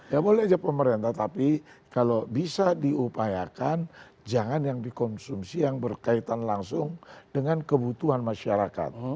ya boleh aja pemerintah tapi kalau bisa diupayakan jangan yang dikonsumsi yang berkaitan langsung dengan kebutuhan masyarakat